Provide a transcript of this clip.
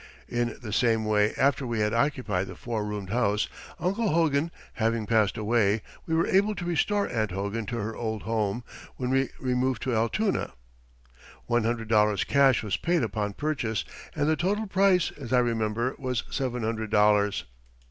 In the same way after we had occupied the four roomed house, Uncle Hogan having passed away, we were able to restore Aunt Hogan to her old home when we removed to Altoona. One hundred dollars cash was paid upon purchase, and the total price, as I remember, was seven hundred dollars.